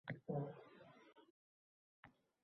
Bu sizga bepul bo'lish imkonini beradi.